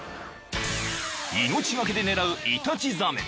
［命懸けで狙うイタチザメ］